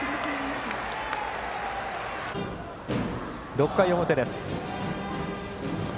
６回表です。